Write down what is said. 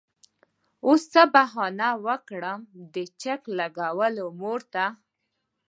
وس به څۀ بهانه کړمه د چک لګولو مور ته